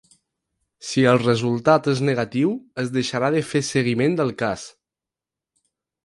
Si el resultat és negatiu, es deixarà de fer seguiment del cas.